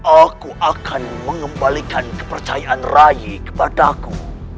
aku akan mengembalikan kepercayaan raihiku kepada aku